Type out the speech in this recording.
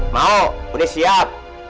mau udah siap